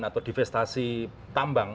atau defisitasi tambang